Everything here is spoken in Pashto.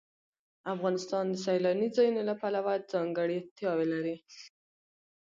افغانستان د سیلاني ځایونو له پلوه ځانګړتیاوې لري.